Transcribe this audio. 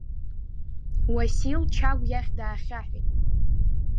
Уасил Чагә иахь даахьаҳәит.